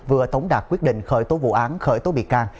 vừa tống đạt quyết định khởi tố vụ án khởi tố bị can